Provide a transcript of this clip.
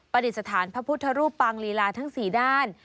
ดิษฐานพระพุทธรูปปางลีลาทั้ง๔ด้าน